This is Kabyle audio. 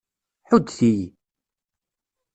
Ḥuddet-iyi!